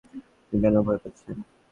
আপনি কেন ভয় পাচ্ছেন?